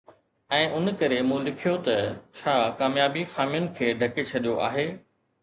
۽ ان ڪري مون لکيو ته ”ڇا ڪاميابي خامين کي ڍڪي ڇڏيو آهي؟